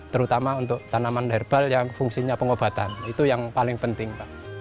terutama untuk tanaman herbal yang fungsinya pengobatan itu yang paling penting